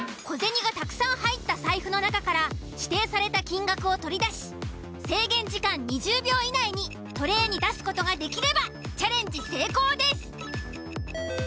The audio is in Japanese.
小銭がたくさん入った財布の中から指定された金額を取り出し制限時間２０秒以内にトレーに出す事ができればチャレンジ成功です。